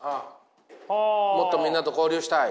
もっとみんなと交流したい。